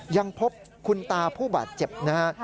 ยังพบคุณตาผู้บาดเจ็บนะฮะ